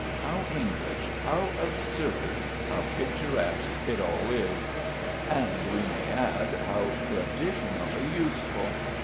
How English, how absurd, how picturesque it all is! and, we may add, how traditionally useful!